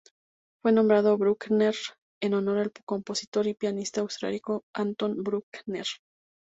Fue nombrado Bruckner en honor al compositor y pianista austríaco Anton Bruckner.